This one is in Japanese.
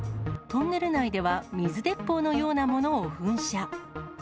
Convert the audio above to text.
トンネル内では、水鉄砲のようなものを噴射。